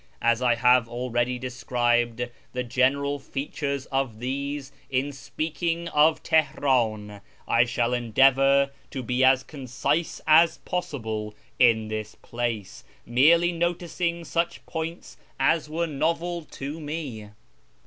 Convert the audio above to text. As I have already described the general features of these in speaking of Teheran, I shall endeavour to be as concise as possible in this place, merely noticing such points as were novel to me.